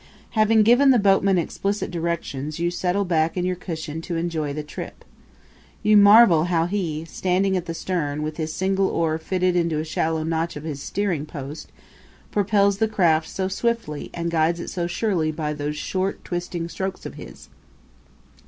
Having given the boatman explicit directions you settle back in your cushion seat to enjoy the trip. You marvel how he, standing at the stern, with his single oar fitted into a shallow notch of his steering post, propels the craft so swiftly and guides it so surely by those short, twisting strokes of his.